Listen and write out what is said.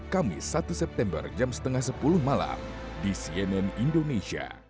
kamis satu september jam setengah sepuluh malam di cnn indonesia